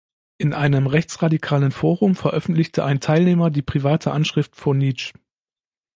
In einem rechtsradikalen Forum veröffentlichte ein Teilnehmer die private Anschrift von Nitsch.